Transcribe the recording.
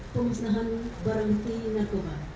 pemusnahan barang bukti narkoba